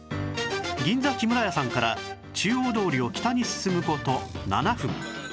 銀座木村家さんから中央通りを北に進む事７分